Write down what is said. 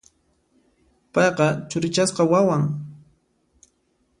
Payqa churichasqa wawan.